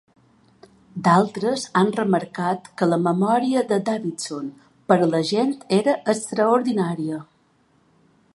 D'altres han remarcat que la memòria de Davidson per a la gent era extraordinària.